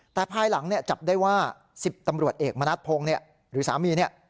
แต่ภายหลังเนี่ยจับได้ว่า๑๐ตำรวจเอกมณัฐพงศ์หรือสามีเนี่ย